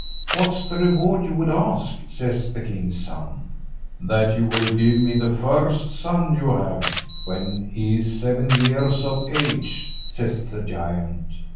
"What's the reward you would ask?" says the king's son. "That you will give me the first son you have when he is seven years of age," says the giant.